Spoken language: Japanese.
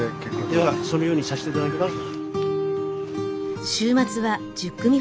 ではそのようにさせて頂きます。